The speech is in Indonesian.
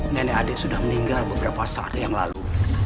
nenek adek sudah meninggal beberapa saat yang lalu